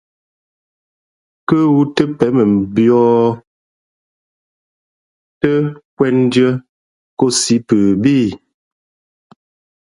Kά wū tά pěn mʉmbīᾱ tά khʉᾱndʉ́ά kōsī pʉ bíí li ?